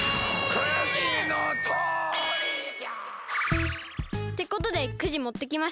くじのとおりじゃ！ってことでくじもってきました。